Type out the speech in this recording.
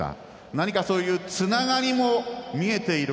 何かそういうつながりも見えている